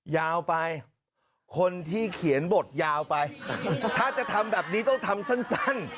ยาวไปคนที่เขียนบทยาวไปถ้าจะทำแบบนี้ต้องทำสั้น